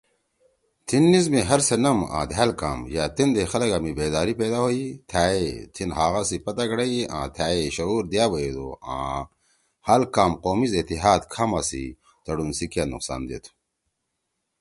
تھیِن نیِز می ہر سے نم آں دھأل کام یأ تیندے خلگا می بیداری پیدا ہوئی، تھأئے تھیِن حقا سی پتا گھڑَئی آں تھا ئے شعور دیِا بیَدُو او ہال کام ”قومیز اتحاد“ کھاما سی تڑُون سی کیا نقصان دہ تُھو۔